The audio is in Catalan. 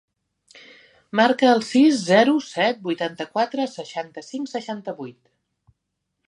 Marca el sis, zero, set, vuitanta-quatre, seixanta-cinc, seixanta-vuit.